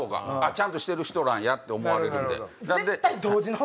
ちゃんとしてる人なんやって思われるんで。